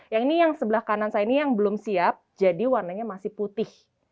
yang ini yang sebelah kanan saya ini yang belum siap jadi warnanya masih putih